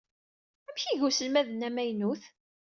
Amek i iga uselmad-nni amaynut?